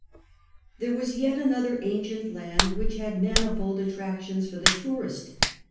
There was yet another ancient land which had mani fold attractions for the tourist.